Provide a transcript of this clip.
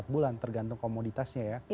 empat bulan tergantung komoditasnya ya